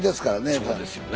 そうですよね。